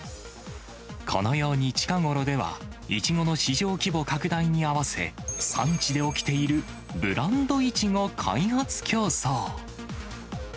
このように近頃では、イチゴの市場規模拡大に合わせ、産地で起きているブランドイチゴ開発競争。